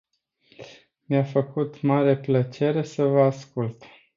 Mi-a făcut mare plăcere să vă ascult!